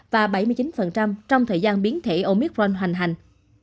và bảy mươi chín trong thời gian biến thể omicron hoành hành